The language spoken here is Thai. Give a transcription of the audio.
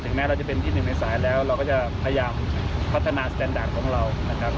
แม้เราจะเป็นที่หนึ่งในสายแล้วเราก็จะพยายามพัฒนาสแตนดาร์ดของเรานะครับ